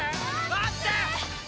待ってー！